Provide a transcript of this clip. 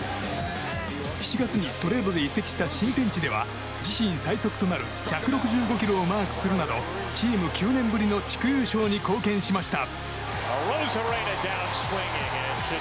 ７月にトレードで移籍した新天地では自身最速となる１６５キロをマークするなどチーム９年ぶりの地区優勝に貢献しました。